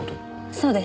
そうです。